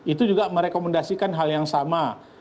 itu juga merekomendasikan hal yang sama